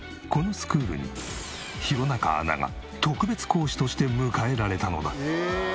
このスクールに弘中アナが特別講師として迎えられたのだ。